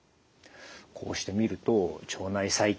こうしてみると腸内細菌